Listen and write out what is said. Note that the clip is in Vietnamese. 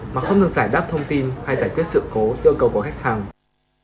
mà không được giải đáp thông tin hay giải quyết sự cố yêu cầu của khách hàng